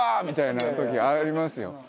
みたいな時ありますよ。